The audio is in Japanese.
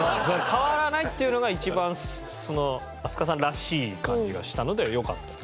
変わらないっていうのが一番飛鳥さんらしい感じがしたのでよかったです。